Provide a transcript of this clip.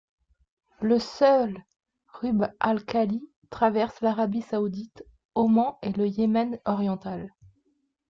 Le seul Rub'al-Khali traverse l'Arabie Saoudite, Oman et le Yémen oriental.